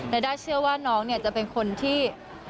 แมนดาเชื่อว่าน้องจะเป็นคนที่